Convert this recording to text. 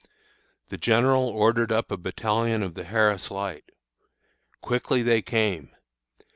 The general ordered up a battalion of the Harris Light. Quickly they came!